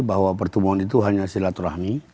bahwa pertemuan itu hanya silaturahmi